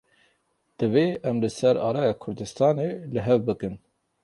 Divê em li ser alaya Kurdistanê li hev bikin.